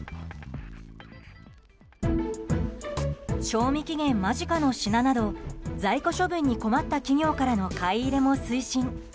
賞味期限間近の品など在庫処分に困った企業からの買い入れも推進。